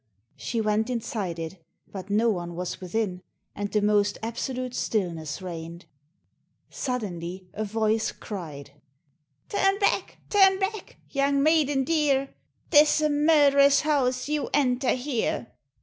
She went inside it, but no one was within, and the most absolute stillness reigned. Suddenly a voice cried, "Turn back, turn back, young maiden dear, 'Tis a murderer's house you enter here."